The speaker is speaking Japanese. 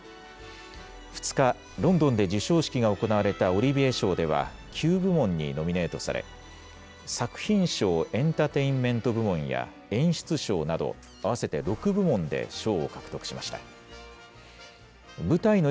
２日、ロンドンで授賞式が行われたオリビエ賞では、９部門にノミネートされ、作品賞、エンターテインメント賞は演出賞など、合わせて６部門で賞を獲得しました。